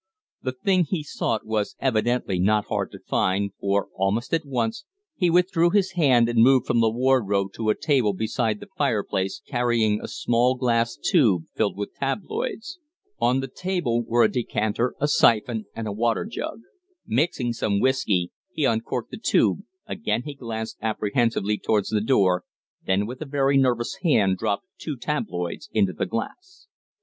The thing he sought was evidently not hard to find, for almost at once he withdrew his hand and moved from the wardrobe to a table beside the fireplace, carrying a small glass tube filled with tabloids. On the table were a decanter, a siphon, and a water jug. Mixing some whiskey, he uncorked the tube, again he glanced apprehensively towards the door, then with a very nervous hand dropped two tabloids into the glass.